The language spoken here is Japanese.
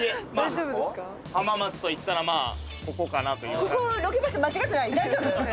浜松といったらまあここかなという大丈夫？